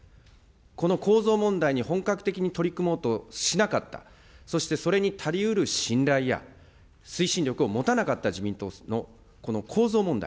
この構造問題に本格的に取り組もうとしなかった、そしてそれに足りうる信頼や推進力を持たなかった自民党のこの構造問題。